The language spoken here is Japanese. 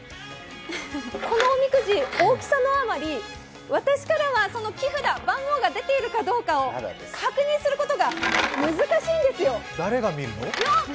このおみくじ大きさのあまり私からは番号が出ているかどうかを確認することが難しいいんですよ。